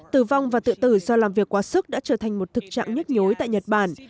tử vong và tự tử do làm việc quá sức đã trở thành một thực trạng nhức nhối tại nhật bản